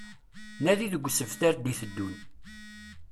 Nadi deg usebter d-iteddun